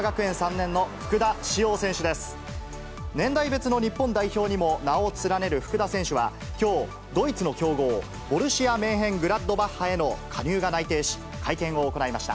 年代別の日本代表にも名を連ねる福田選手は、きょう、ドイツの強豪、ボルシアメンヘングラッドバッハへの加入が内定し、会見を行いました。